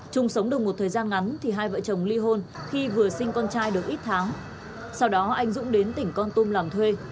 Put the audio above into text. trung sống được một thời gian ngắn thì hai vợ chồng ly hôn khi vừa sinh con trai được ít tháng sau đó anh dũng đến tỉnh con tum làm thuê